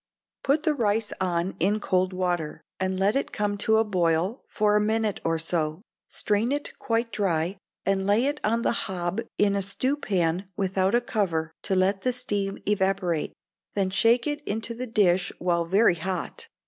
Put the rice on in cold water, and let it come to a boil for a minute or so: strain it quite dry, and lay it on the hob in a stewpan without a cover to let the steam evaporate, then shake it into the dish while very hot.